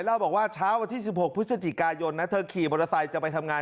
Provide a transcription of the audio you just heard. เล่าบอกว่าเช้าวันที่๑๖พฤศจิกายนนะเธอขี่มอเตอร์ไซค์จะไปทำงาน